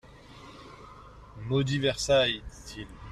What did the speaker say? «Maudit Versailles ! dit-il.